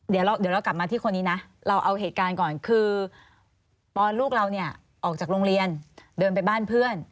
เดี๋ยวเรากลับมาที่คนนี้นะเราเอาเหตุการณ์ก่อนคือตอนลูกเราเนี่ยออกจากโรงเรียนเดินไปบ้านเพื่อน